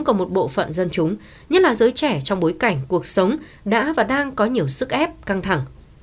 của một bộ phận dân chúng nhất là giới trẻ trong bối cảnh cuộc sống đã và đang có nhiều sức ép căng thẳng